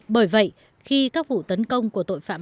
bởi vậy khi các vụ tấn công của tội phạm